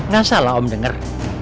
gak salah om denger